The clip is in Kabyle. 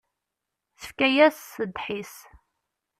Tefka-yas ddḥis.